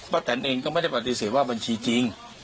แตนเองก็ไม่ได้ปฏิเสธว่าบัญชีจริง